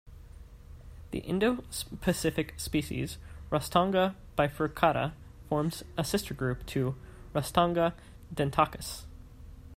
The Indo-Pacific species "Rostanga bifurcata" forms a sister group to "Rostanga dentacus".